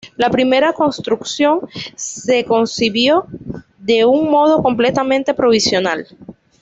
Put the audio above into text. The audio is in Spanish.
La primera construcción se concibió de un modo completamente provisional.